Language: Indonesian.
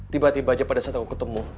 tiba tiba aja pada saat aku ketemu